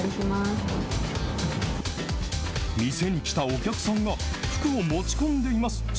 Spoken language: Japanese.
店に来たお客さんが服を持ち込んでいます。